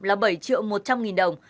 là bảy triệu một trăm linh nghìn đồng